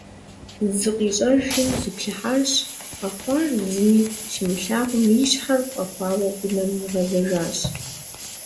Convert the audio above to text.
ЗыкъищӀэжри зиплъыхьащ, къэхъуар зыми щимылъагъум, и щхьэр фӀэхуауэ унэм игъэзжащ.